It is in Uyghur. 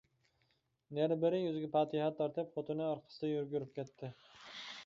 نېرى-بېرى يۈزىگە پاتىھە تارتىپ، خوتۇنى ئارقىسىدىن يۈگۈرۈپ كەتتى.